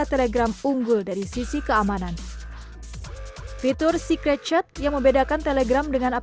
telegram memiliki listrik pisang bitcoin yang menyentuh si piston